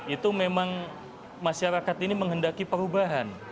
itu memang masyarakat ini menghendaki perubahan